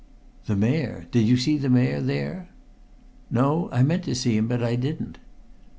"The Mayor! Did you see the Mayor there?" "No. I meant to see him, but I didn't."